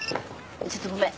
ちょっとごめん。